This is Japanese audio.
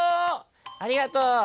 「ありがとう。